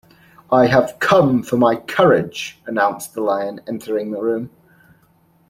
"I have come for my courage," announced the Lion, entering the room.